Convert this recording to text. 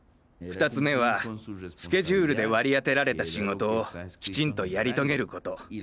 ２つ目はスケジュールで割り当てられた仕事をきちんとやり遂げること。